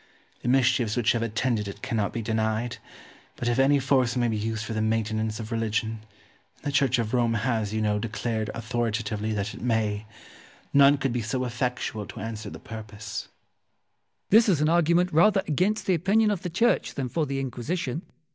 The mischiefs which have attended it cannot be denied; but if any force may be used for the maintenance of religion (and the Church of Rome has, you know, declared authoritatively that it may) none could be so effectual to answer the purpose. Wolsey. This is an argument rather against the opinion of the Church than for the Inquisition.